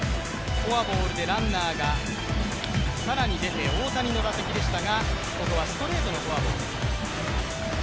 フォアボールでランナーが更に出て、大谷の打席でしたが、ここはストレートのフォアボール。